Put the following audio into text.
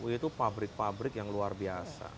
itu pabrik pabrik yang luar biasa